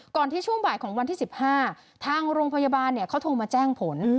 ที่ช่วงบ่ายของวันที่๑๕ทางโรงพยาบาลเขาโทรมาแจ้งผล